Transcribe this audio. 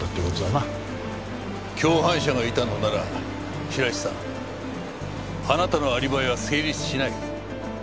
共犯者がいたのなら白石さんあなたのアリバイは成立しない。